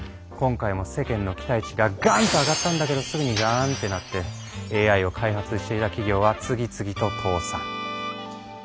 今回も世間の期待値がガンッと上がったんだけどすぐにガーンッてなってＡＩを開発していた企業は次々と倒産。